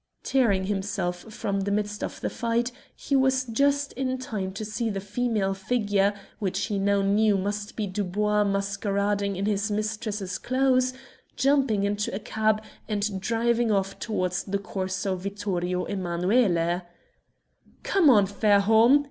Tearing himself from the midst of the fight, he was just in time to see the female figure, which he now knew must be Dubois masquerading in his mistress's clothes, jumping into a cab and driving off towards the Corso Vittorio Emmanuele. "Come on, Fairholme!"